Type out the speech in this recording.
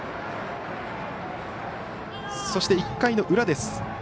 そして１回の裏です。